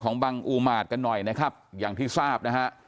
บังอูมาตรกันหน่อยนะครับอย่างที่ทราบนะฮะ